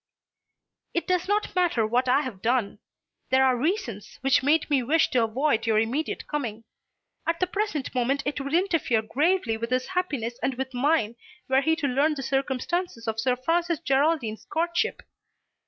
"It does not matter what I have done. There are reasons, which made me wish to avoid your immediate coming. At the present moment it would interfere gravely with his happiness and with mine were he to learn the circumstances of Sir Francis Geraldine's courtship.